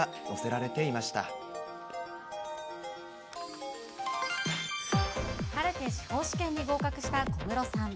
晴れて司法試験に合格した小室さん。